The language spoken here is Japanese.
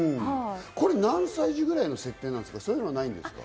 これ何歳児くらいの設定ですか？